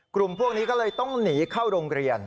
กลุ่มพวกนี้ก็เลยต้องหนีเข้าโรงเรียน